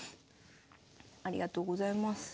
ありがとうございます。